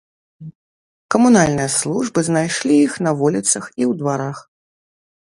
Камунальныя службы знайшлі іх на вуліцах і ў дварах.